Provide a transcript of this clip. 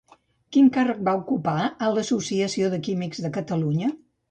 Quin càrrec va ocupar a l'Associació de Químics de Catalunya?